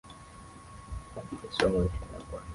Yesu wangu nitaenda kwanani